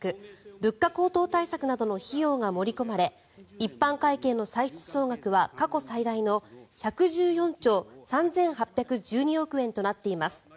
物価高騰対策などの費用が盛り込まれ一般会計の歳出総額は過去最大の１１４兆３８１２億円となっています。